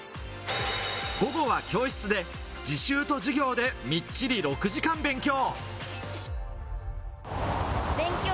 午後は教室で自習と授業でみっちり６時間勉強。